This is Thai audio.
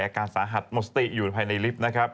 แผลการสาหัสมสติอยู่ภายในลิฟต์